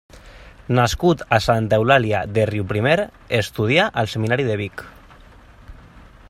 Nascut a Santa Eulàlia de Riuprimer, estudià al Seminari de Vic.